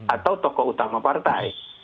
atau tokoh utama partai